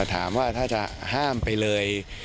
ถามว่าถ้าจะห้ามไปเลย